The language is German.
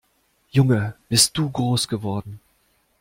Junge, bist du groß geworden!